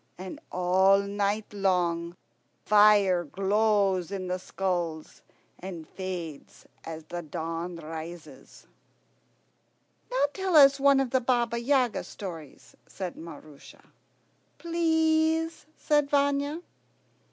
And all night long fire glows in the skulls and fades as the dawn rises." "Now tell us one of the Baba Yaga stories," said Maroosia. "Please," said Vanya.